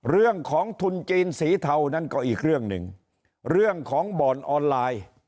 เรื่องของทุนจีนสีเทานั้นก็อีกเรื่องหนึ่งเรื่องของบ่อนออนไลน์